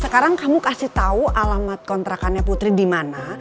sekarang kamu kasih tau alamat kontrakannya putri dimana